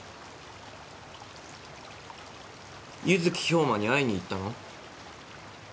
弓月兵馬に会いに行ったの？